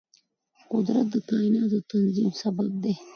قدرت د کایناتو د تنظیم سبب دی.